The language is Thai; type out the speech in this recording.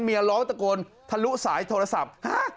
ร้องตะโกนทะลุสายโทรศัพท์